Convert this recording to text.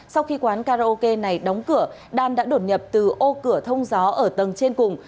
sau khi quán karaoke này đóng cửa đan đã đột nhập từ ô cửa thông gió ở tầng trên cùng